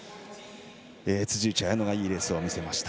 辻内彩野がいいレースを見せました。